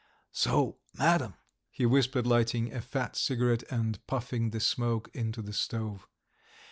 "So, Madam," he whispered, lighting a fat cigarette and puffing the smoke into the stove.